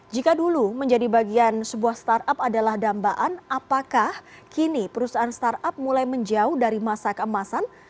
jika dulu menjadi bagian sebuah startup adalah dambaan apakah kini perusahaan startup mulai menjauh dari masa keemasan